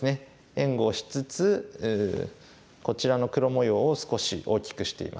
援護をしつつこちらの黒模様を少し大きくしています。